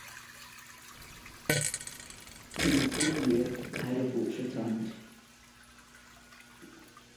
In the same year, the paddle boats returned.